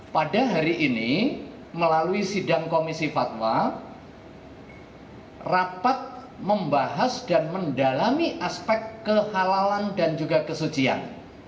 pada hari ini melalui sidang komisi fatwa rapat membahas dan mendalami aspek kehalalan dan juga kesucian